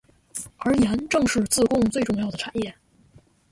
而盐正是自贡最重要的产业。